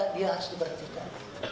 dia harus diberhentikan